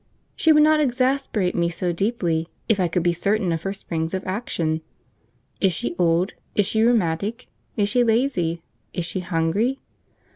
She would not exasperate me so deeply if I could be certain of her springs of action. Is she old, is she rheumatic, is she lazy, is she hungry?